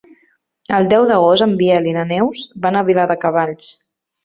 El deu d'agost en Biel i na Neus van a Viladecavalls.